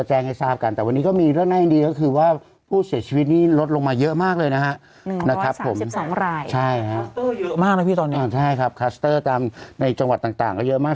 ใช่ครับคัสเตอร์แหลมในจังหวัดต่างก็เยอะมาก